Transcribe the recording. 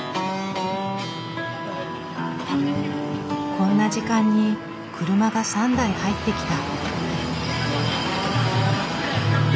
こんな時間に車が３台入ってきた。